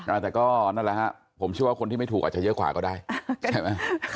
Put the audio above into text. อ่าแต่ก็นั่นแหละฮะผมเชื่อว่าคนที่ไม่ถูกอาจจะเยอะกว่าก็ได้ใช่ไหม